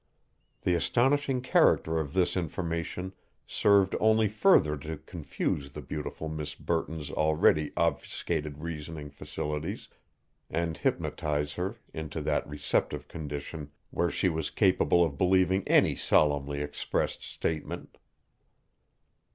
The astonishing character of this information served only further to confuse the beautiful Miss Burton's already obfuscated reasoning faculties and hypnotize her into that receptive condition where she was capable of believing any solemnly expressed statement.